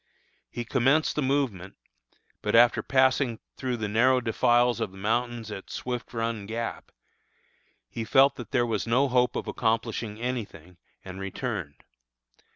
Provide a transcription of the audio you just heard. He commenced the movement; but after passing through the narrow defiles of the mountains at Swift Run Gap, he felt that there was no hope of accomplishing any thing, and returned.